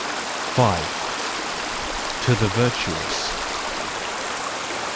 5 To the Virtuous.